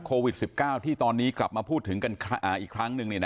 โควิด๑๙ที่ตอนนี้กลับมาพูดถึงกันอีกครั้งหนึ่ง